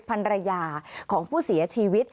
ภรรยาของผู้เสียชีวิต